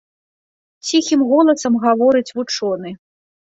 Ціхім голасам гаворыць вучоны.